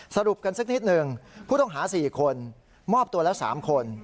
สรุปกันสักนิดหนึ่งผู้ต้องหา๔คนมอบตัวแล้ว๓คน